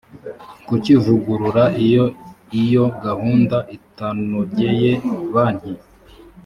kukivugurura iyo iyo gahunda itanogeye banki